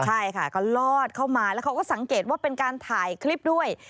ใช่ค่ะก็ลอดเข้ามาแล้วเขาก็สังเกตว่าเป็นการถ่ายคลิปด้วย